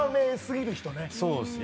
そうですね。